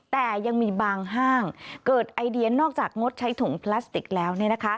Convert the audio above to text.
แต่ยังมีบางห้างเกิดไอเดียนอกจากงดใช้ถุงพลาสติกแล้ว